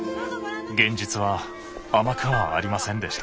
現実は甘くはありませんでした。